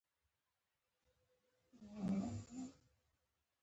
مجاهد د خپلو شهیدانو ارمان نه هېروي.